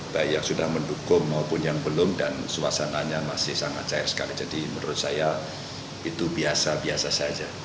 baik yang sudah mendukung maupun yang belum dan suasananya masih sangat cair sekali jadi menurut saya itu biasa biasa saja